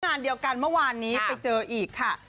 งานเดียวกันเมื่อวานนี้ไปเจออีกค่ะ